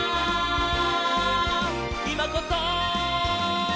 「いまこそ！」